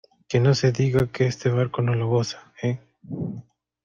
¡ que no se diga que este barco no lo goza! ¿ eh?